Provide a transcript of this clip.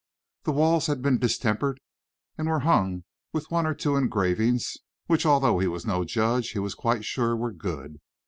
The walls had been distempered and were hung with one or two engravings which, although he was no judge, he was quite sure were good.